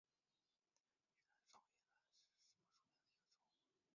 玉山双叶兰为兰科双叶兰属下的一个种。